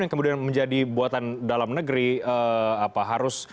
yang kemudian menjadi buatan dalam negeri harus